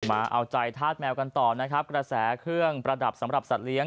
มาเอาใจธาตุแมวกันต่อนะครับกระแสเครื่องประดับสำหรับสัตว์เลี้ย